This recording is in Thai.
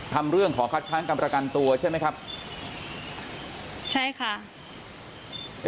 ทำเรื่องขอคัดค้างกรรมประกันตัวใช่ไหมครับใช่ค่ะ